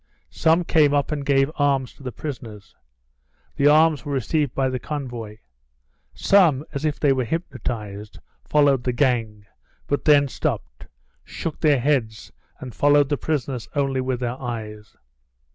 Some came up and gave alms to the prisoners. The alms were received by the convoy. Some, as if they were hypnotised, followed the gang, but then stopped, shook their heads, and followed the prisoners only with their eyes.